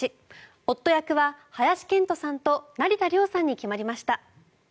夫役は林遣都さんと成田凌さんに決まりました。